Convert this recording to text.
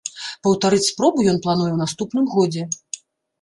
Паўтарыць спробу ён плануе ў наступным годзе.